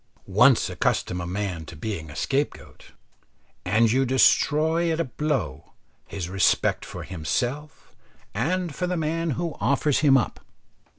Once accustom a man to being a scapegoat, and you destroy at a blow his respect for himself and for the man who offers him up.